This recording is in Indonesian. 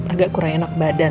agak kurang enak badan